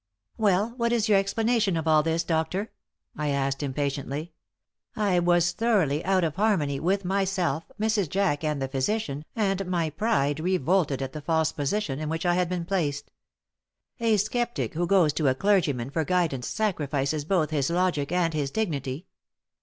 "Well, what is your explanation of all this, doctor?" I asked, impatiently. I was thoroughly out of harmony with myself, Mrs. Jack and the physician, and my pride revolted at the false position in which I had been placed. A skeptic who goes to a clergyman for guidance sacrifices both his logic and his dignity.